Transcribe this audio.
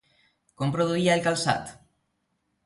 Com produïa el calçat?